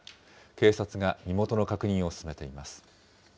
警察が身元の確認を進めています。